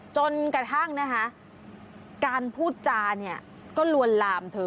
จนกระทั่งนะคะการพูดจาเนี่ยก็ลวนลามเธอ